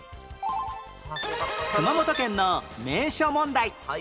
熊本県の名所問題